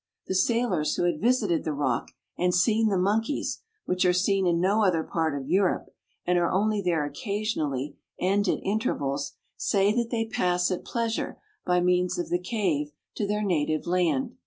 The sailors who had visited the rock, and seen the monkeys, which are seen in no other part of Europe, and are only there occasionally and at intervals, say that they pass at pleasure by means of the cave to their native land.